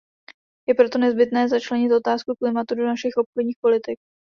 Je proto nezbytné začlenit otázku klimatu do našich obchodních politik.